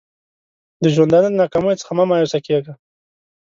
د ژوندانه د ناکامیو څخه مه مایوسه کېږه!